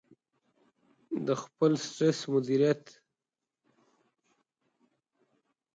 -د خپل سټرس مدیریت